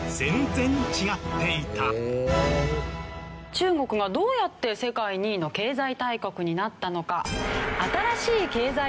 中国がどうやって世界２位の経済大国になったのか。